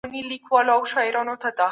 هګۍ لږه اندازه ویټامن لري.